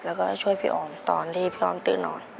แล้วก็ช่วยพี่ออมตอนที่พี่อ้อมตื่นนอน